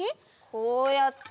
こうやって。